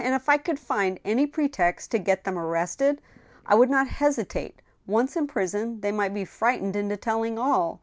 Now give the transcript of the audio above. if I could find any pretext to get them arrested ! I would not hesitate ; once in prison, 'they might be frightened into telling all.